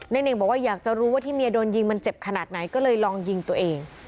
เน่งบอกว่าอยากจะรู้ว่าที่เมียโดนยิงมันเจ็บขนาดไหนก็เลยลองยิงตัวเอง